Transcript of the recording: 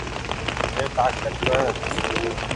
جي طاقتواري ھتي